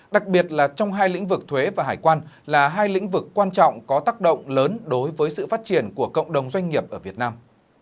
đặc biệt là trong hai lĩnh vực thuế và hải quan là hai lĩnh vực quan trọng có tác động lớn đối với sự phát triển của cộng đồng doanh nghiệp ở việt nam